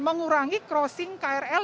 mengurangi crossing krl